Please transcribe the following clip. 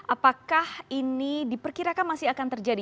apakah ini diperkirakan masih akan terjadi